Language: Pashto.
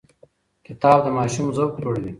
کتاب د ماشوم ذوق لوړوي.